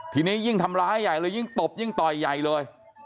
ทีนี้ยิ่งทำร้ายใหญ่เลยยิ่งตบยิ่งต่อยใหญ่เลย